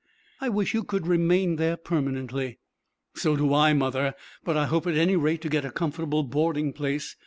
"I wish you could remain there permanently." "So do I, mother; but I hope at any rate to get a comfortable boarding place.